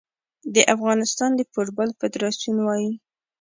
د افغانستان د فوټبال فدراسیون وايي